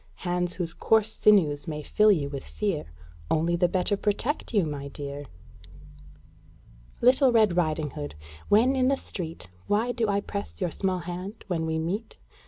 Hands whose coarse sinews may fill you with fear Only the better protect you, my dear! Little Red Riding Hood, when in the street, Why do I press your small hand when we meet?